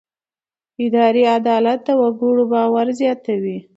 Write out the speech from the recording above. اداري عدالت د وګړو باور زیاتوي.